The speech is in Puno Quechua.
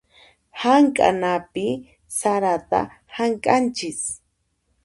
Hamk'anapi sarata hamk'anchis.